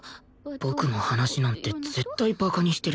僕の話なんて絶対バカにしてるやつだろ